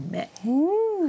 うん！